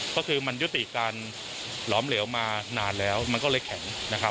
ก็คือมันยุติการหลอมเหลวมานานแล้วมันก็เลยแข็งนะครับ